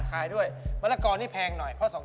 กระเศษกรปลูกนี่มันยากหน่อย